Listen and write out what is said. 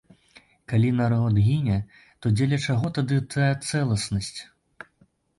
Калі народ гіне, то дзеля чаго тады тая цэласнасць?